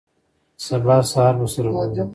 سبا سهار به سره ګورو.